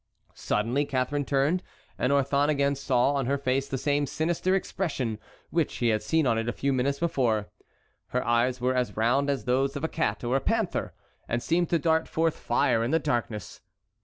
Suddenly Catharine turned and Orthon again saw on her face the same sinister expression which he had seen on it a few minutes before. Her eyes were as round as those of a cat or a panther and seemed to dart forth fire in the darkness.